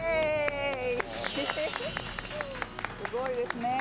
すごいですね。